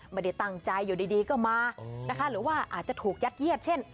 ไม่ได้ตั้งใจอยู่ดีก็มานะคะหรือว่าอาจจะถูกยัดเยียดเช่น